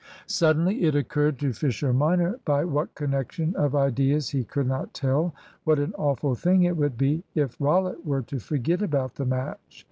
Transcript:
Suddenly it occurred to Fisher minor, by what connection of ideas he could not tell, what an awful thing it would be if Rollitt were to forget about the match.